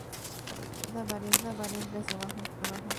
Premiada varias veces por su trabajo.